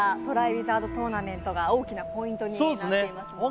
ウィザード・トーナメントが大きなポイントになっていますもんね